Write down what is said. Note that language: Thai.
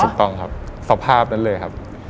ถูกต้องครับสภาพนั้นเลยครับ